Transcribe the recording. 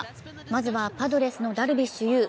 まずはパドレスのダルビッシュ有。